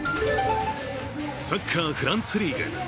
サッカー・フランスリーグ。